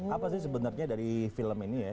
apa sih sebenarnya dari film ini ya